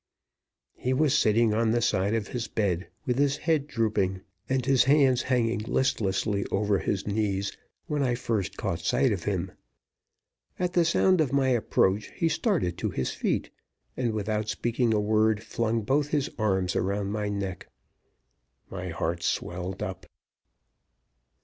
He was sitting on the side of his bed, with his head drooping and his hands hanging listlessly over his knees when I first caught sight of him. At the sound of my approach he started to his feet, and, without speaking a word, flung both his arms round my neck. My heart swelled up.